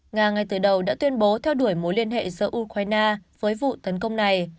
nga ngay từ đầu đã tuyên bố theo đuổi mối liên hệ giữa ukraine với vụ tấn công này